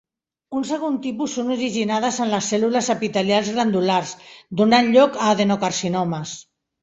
Un segon tipus són originades en les cèl·lules epitelials glandulars, donant lloc a adenocarcinomes.